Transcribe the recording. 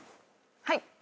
はい！